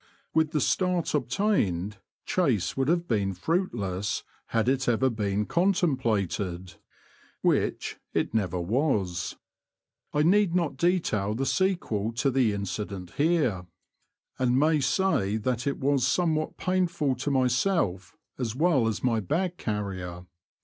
With the start obtained, chase would have been fruitless had it ever been contemplated — which it never was. I need not detail the sequel to the incident here, and 140 The Confessions of a T^oacher. may say that it was somewhat painful to myself as well as my bag carrier.